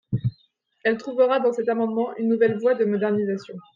Elle trouvera dans cet amendement une nouvelle voie de modernisation.